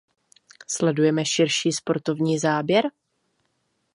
Sledujeme širší sportovní záběr?